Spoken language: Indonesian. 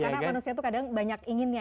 karena manusia itu kadang banyak inginnya ya